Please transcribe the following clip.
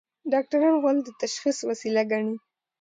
ډاکټران غول د تشخیص وسیله ګڼي.